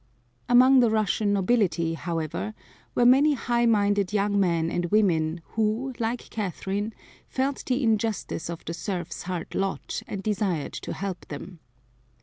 Among the Russian nobility, however, were many high minded young men and women, who like Catherine felt the injustice of the serfs' hard lot and desired to help them.